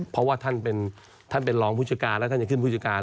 เพราะว่าท่านเป็นรองผู้จัดการแล้วท่านจะขึ้นผู้จัดการ